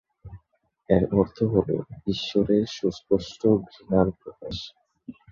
এর অর্থ হল "ঈশ্বরের সুস্পষ্ট ঘৃণা"র প্রকাশ।